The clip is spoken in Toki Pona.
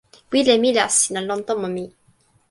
wile mi la sina lon tomo mi.